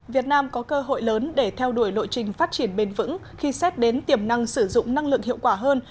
việt nam có cơ hội lớn để theo đuổi lộ trình phát triển bền vững khi xét đến tiềm năng sử dụng năng lượng hiệu quả hơn